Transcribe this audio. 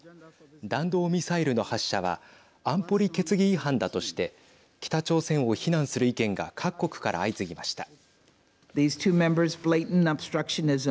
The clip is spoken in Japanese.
弾道ミサイルの発射は安保理決議違反だとして北朝鮮を非難する意見が各国から相次ぎました。